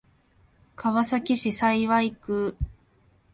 川崎市幸区